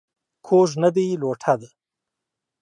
کوږ نه دى ، لوټه ده.